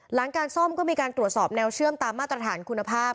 หลังการซ่อมก็มีการตรวจสอบแนวเชื่อมตามมาตรฐานคุณภาพ